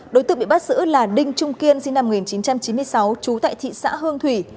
đối tượng bị bắt giữ là đinh trung kiên sinh năm một nghìn chín trăm chín mươi sáu trú tại thị xã hương thủy